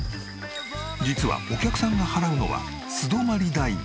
実はお客さんが払うのは素泊まり代のみ。